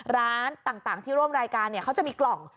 ร้านต่างที่ร่วมรายการเขาจะมีกล่อง